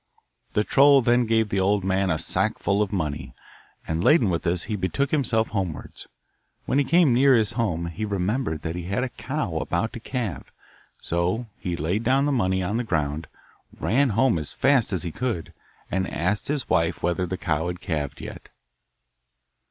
The troll then gave the old man a sackful of money, and laden with this he betook himself homewards. When he came near his home he remembered that he had a cow about to calve, so he laid down the money on the ground, ran home as fast as he could, and asked his wife whether the cow had calved yet.